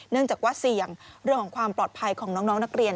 เนื่องจากว่าเสี่ยงเรื่องของความปลอดภัยของน้องนักเรียน